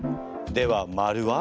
ではまるは？